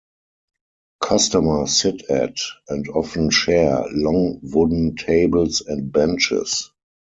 Customers sit at, and often share, long wooden tables and benches.